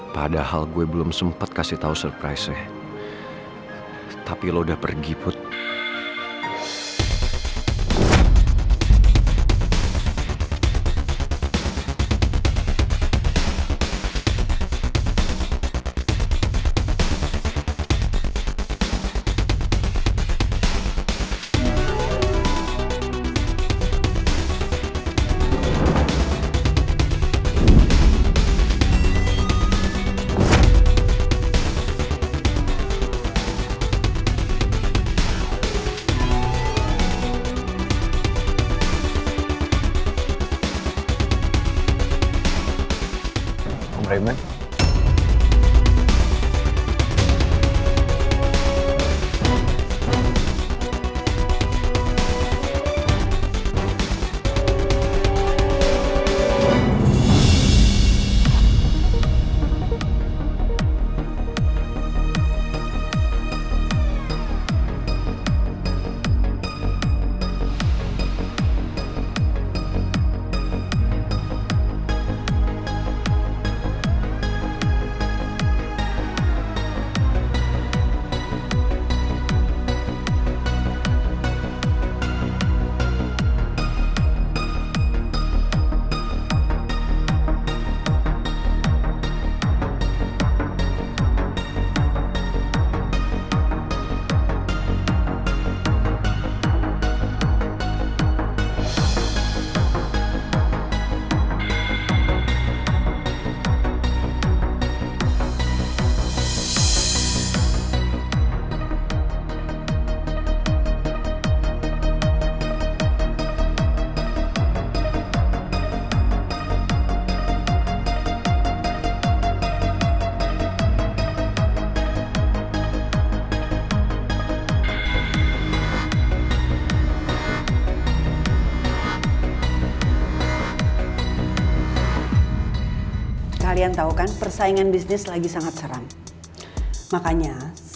padahal gue belum sempat kasih tau surprise nya